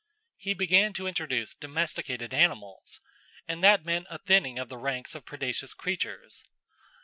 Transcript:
He began to introduce domesticated animals, and that meant a thinning of the ranks of predacious creatures.